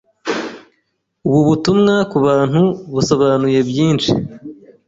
ubu butumwa kubantu busobanuye byinshi